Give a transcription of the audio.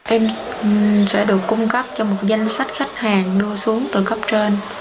em sẽ được cung cấp cho một danh sách khách hàng đưa xuống từ cấp trên